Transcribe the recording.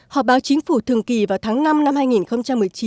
họ báo chính phủ thường kỳ vào tháng năm năm hai nghìn một mươi chín